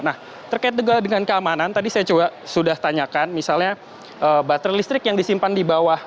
nah terkait juga dengan keamanan tadi saya coba sudah tanyakan misalnya baterai listrik yang disimpan di bawah